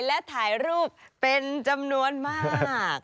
และถ่ายรูปเป็นจำนวนมาก